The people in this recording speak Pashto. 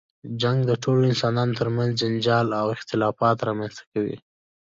جنګ د ټولو انسانانو تر منځ جنجال او اختلافات رامنځته کوي.